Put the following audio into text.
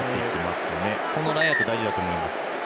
このラインアウト大事だと思います。